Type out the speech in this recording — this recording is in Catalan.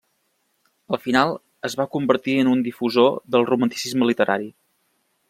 Al final es va convertir en un difusor del romanticisme literari.